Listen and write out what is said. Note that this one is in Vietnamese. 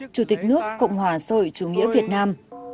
chủ tịch nước cộng hòa rồi chủ nghĩa việt nam